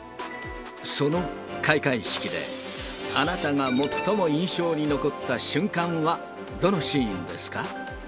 その開会式で、あなたが最も印象に残った瞬間は、どのシーンですか？